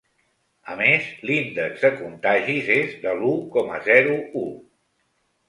A més, l’índex de contagis és de l’u coma zero u.